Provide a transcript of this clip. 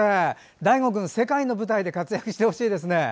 大護君、世界の舞台で活躍してほしいですね。